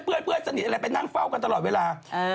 เพื่อนสนิทอะไรไปนั่งเฝ้ากันตลอดเวลา